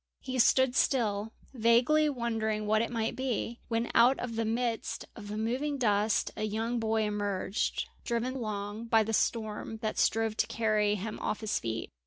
He stood still, vaguely wondering what it might be, when out of the midst of the moving dust a young boy emerged, driven along by the storm that strove to carry him off his feet.